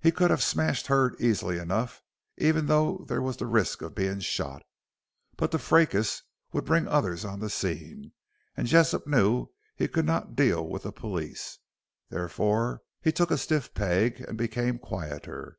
He could have smashed Hurd easily enough, even though there was the risk of being shot. But the fracas would bring others on the scene, and Jessop knew he could not deal with the police. Therefore, he took a stiff peg and became quieter.